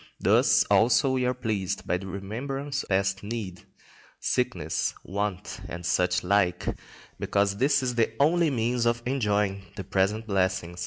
Thus also we are pleased by the remembrance of past need, sickness, want, and such like, because this is the only means of enjoying the present blessings.